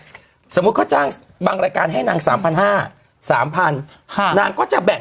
สมมุติเขาจ้างบางรายการให้นางสามพันห้าสามพันนางก็จะแบ่ง